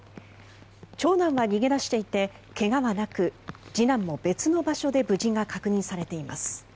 長男は逃げ出していて怪我はなく次男も別の場所で無事が確認されています。